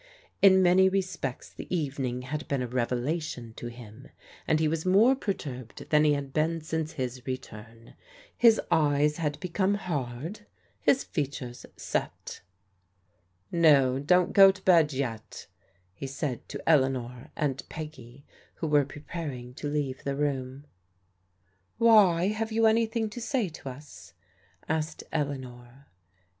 In many respects the evening had been a revelation to him, and he was more perturbed than he had been since his return. His eyes had become hard, his features set. " No, don't go to bed yet," he said to Eleanor and Peggy, who were preparing to leave the room. " Why, have you anything to say to us ?" asked Elea nor.